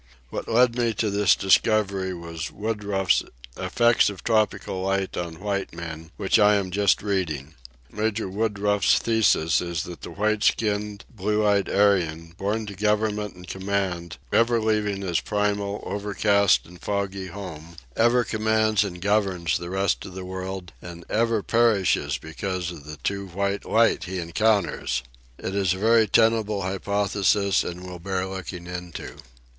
What led me to this discovery was Woodruff's Effects of Tropical Light on White Men, which I am just reading. Major Woodruff's thesis is that the white skinned, blue eyed Aryan, born to government and command, ever leaving his primeval, overcast and foggy home, ever commands and governs the rest of the world and ever perishes because of the too white light he encounters. It is a very tenable hypothesis, and will bear looking into.